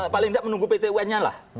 paling tidak menunggu pt unnya lah